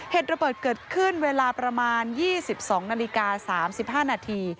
เหตุระเบิดเกิดขึ้นเวลาประมาณ๒๒นาฬิกา๓๕นาที